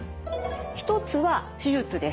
一つは手術です。